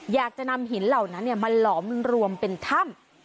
อยากจะนำหินเหล่านั้นมาหลอมรวมเป็นถ้ำ